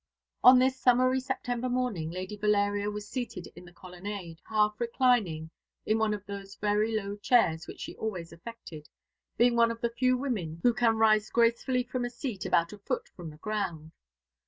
On this summery September morning Lady Valeria was seated in the colonnade, half reclining in one of those very low chairs which she always affected, being one of the few women who can rise gracefully from a seat about a foot from the ground.